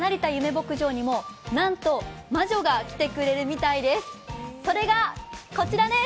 牧場にも、なんと魔女が来てくれるみたいです。